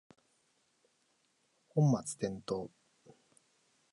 本末転倒